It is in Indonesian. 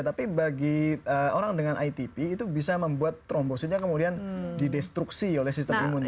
tapi bagi orang dengan itp itu bisa membuat trombositnya kemudian didestruksi oleh sistem imunnya